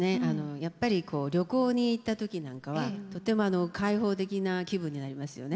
やっぱり旅行に行った時なんかはとても開放的な気分になりますよね。